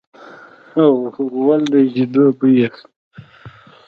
غول د شیدو بوی اخلي.